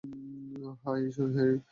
হায়, ঈশ্বর, হ্যারি!